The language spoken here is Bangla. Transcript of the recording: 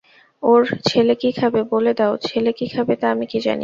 ওঁর ছেলে কি খাবে বলে দাও-ছেলে কি খাবে তা আমি কি জানি?